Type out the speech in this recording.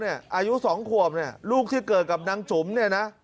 อายุ๒ขวบเนี่ยลูกที่เกิดกับนางจุ๋มเนี่ยนะ